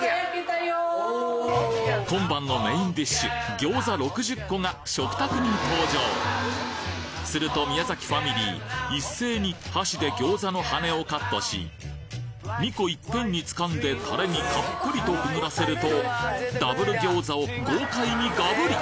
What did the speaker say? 今晩のメインディッシュ餃子６０個が食卓に登場すると宮崎ファミリーいっせいに箸で餃子の羽根をカットし２個いっぺんに掴んでたれにたっぷりとくぐらせるとダブル餃子を豪快にがぶり！